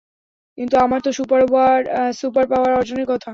কিন্তু আমার তো সুপারপাওয়ার অর্জনের কথা!